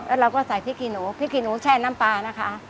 แล้วเราก็ใส่พริกกี้หนูพริกขี้หนูแช่น้ำปลานะคะ